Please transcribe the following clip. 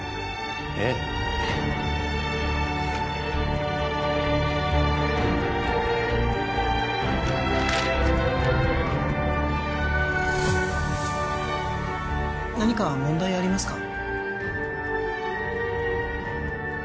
ええ何か問題ありますか？